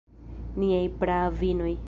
Niaj praavinoj.